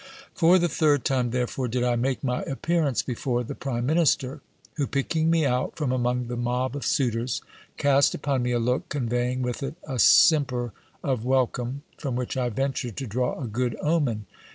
For the third time, therefore, did I make my appearance before the prime minister, who, picking me out from among the mob of suitors, cast upon me a look conveying with it a simper of welcome, from which I ventured to draw a good omen.